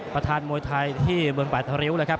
ประธานมวยไทยที่เมืองป่าทะริ้วนะครับ